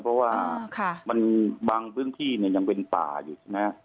เพราะว่าบางพื้นที่ยังเป็นป่าอยู่